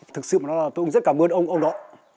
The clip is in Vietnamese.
thực sự tôi cũng rất cảm ơn ông đó